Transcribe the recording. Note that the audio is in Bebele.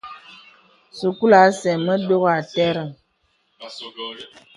Sūkūlu asə mə dògà àtərəŋ.